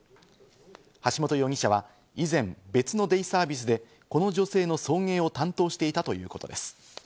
橋本容疑者は以前、別のデイサービスでこの女性の送迎を担当していたということです。